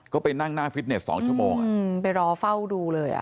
ก็ไปนั่งหน้าฟิตเน็ต๒ชั่วโมงไปรอเฝ้าดูเลยอ่ะ